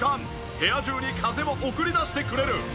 部屋中に風を送り出してくれる。